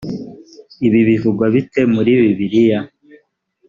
ibi bivugwa bite muri bibiliya ‽